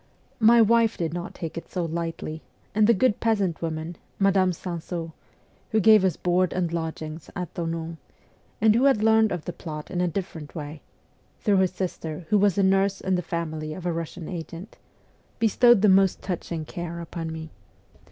My wife did not take it so lightly, and the good peasant woman, Madame Sansaux, who gave us board and lodgings at Thonon, and who had learned of the plot in a different way (through her sister, who was a nurse in the family of a Russian agent), bestowed the most touching care upon me.